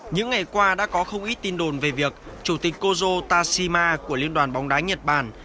những ngày qua đã có không ít tin đồn về việc chủ tịch kozo tashima của liên đoàn bóng đá nhật bản